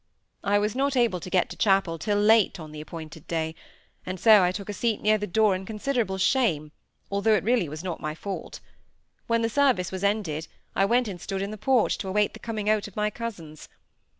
I was not able to get to chapel till late on the appointed day, and so I took a seat near the door in considerable shame, although it really was not my fault. When the service was ended, I went and stood in the porch to await the coming out of my cousins.